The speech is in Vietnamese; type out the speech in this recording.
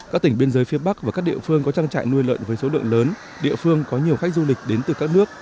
các tỉnh biên giới phía bắc và các địa phương có trang trại nuôi lợn với số lượng lớn địa phương có nhiều khách du lịch đến từ các nước